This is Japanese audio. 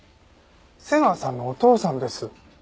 瀬川さんのお父さんです。